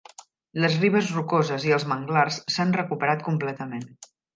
Les ribes rocoses i els manglars s'han recuperat completament.